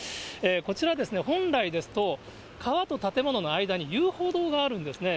こちらですね、本来ですと、川と建物の間に、遊歩道があるんですね。